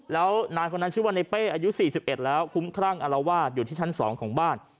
แล้วนายคนนั้นชื่อว่าในเป้อายุ๔๑แล้วคุ้มครั่งอารวาสอยู่ที่ชั้น๒ของบ้าน